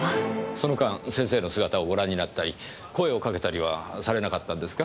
その間先生の姿をご覧になったり声をかけたりはされなかったんですか？